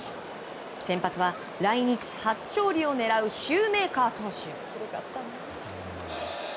先発は、来日初勝利を狙うシューメーカー投手。